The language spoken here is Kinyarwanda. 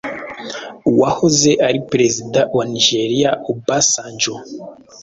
uwahoze ari perezida wa Nijeriya Obasanjo